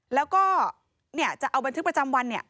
แล้วก็จะเอาบันทึกประจำวันเนี่ย